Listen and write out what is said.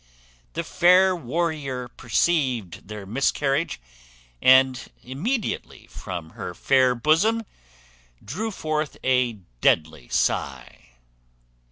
The fair warrior perceived their miscarriage, and immediately from her fair bosom drew forth a deadly sigh.